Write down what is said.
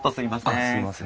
あっすいません。